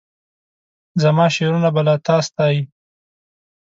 زماشعرونه به لا تا ستایي